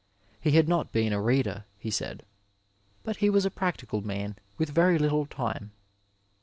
He had not been a reader, he said, but he was a practical man with very little time.